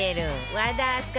和田明日香